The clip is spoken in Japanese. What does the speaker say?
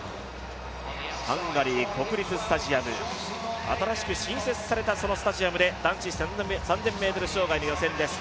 ハンガリー国立スタジアム、新設されたそのスタジアムで男子３０００ｍ障害の予選です。